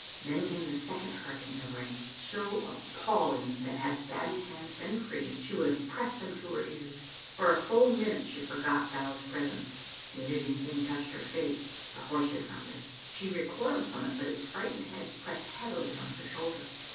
Then came the second hurricane of rain, so appalling that had Babbie's hands been free she would have pressed them to her ears. For a full minute she forgot Dow's presence. A living thing touched her face. The horse had found her. She recoiled from it, but its frightened head pressed heavily on her shoulder.